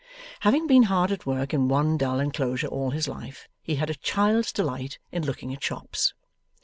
Having been hard at work in one dull enclosure all his life, he had a child's delight in looking at shops.